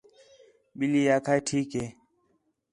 ٻِلّھی آکھا ہے ٹھیک ہِے